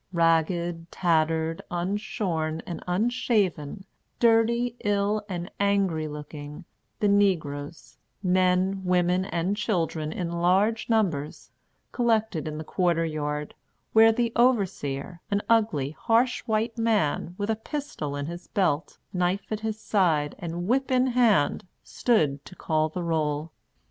Ragged, tattered, unshorn and unshaven, dirty, ill and angry looking, the negroes men, women, and children, in large numbers collected in the quarter yard, where the overseer, an ugly, harsh white man, with a pistol in his belt, knife at his side, and whip in hand, stood to call the roll.